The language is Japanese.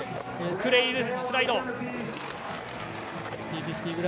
クレイルスライド。